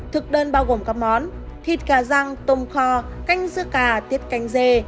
thực đơn bao gồm các món thịt gà răng tôm kho canh dưa cà tiết canh dê